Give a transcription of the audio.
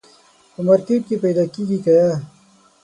په مارکېټ کي پیدا کېږي که یه ؟